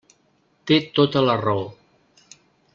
Té tota la raó.